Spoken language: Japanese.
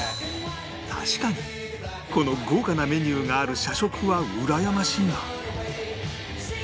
確かにこの豪華なメニューがある社食はうらやましいが